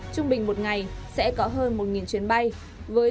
trung bình một ngày sẽ có hơn một chuyến bay